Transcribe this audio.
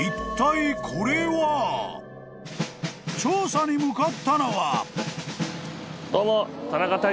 ［調査に向かったのは］